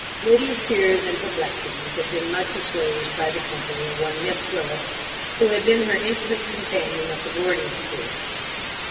Liddy's fears and perplexities have been much assuaged by the company of one Miss Willis, who had been her intimate companion at the boarding school.